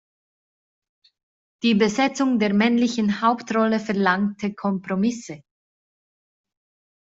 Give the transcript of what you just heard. Die Besetzung der männlichen Hauptrolle verlangte Kompromisse.